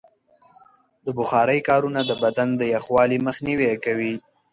د بخارۍ کارونه د بدن د یخوالي مخنیوی کوي.